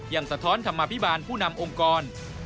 สะท้อนธรรมาภิบาลผู้นำองค์กร